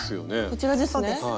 こちらですね。